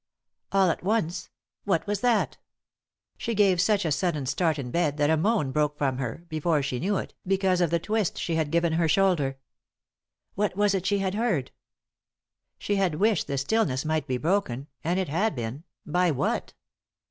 All at once — what was that ? She gave such a sudden start in bed that a moan broke from her, before she knew it, because of the twist she had given her shoulder. What was it she had heard ? She had wished the stillness might be broken ; and it had been— by what